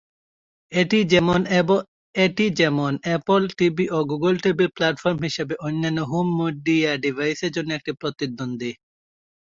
এটি যেমন Apple TV ও গুগল টিভি প্ল্যাটফর্ম হিসেবে অন্যান্য হোম মিডিয়া ডিভাইসের জন্য একটি প্রতিদ্বন্দ্বী।